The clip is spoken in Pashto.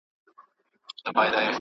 که عکس وي نو یاد نه مري.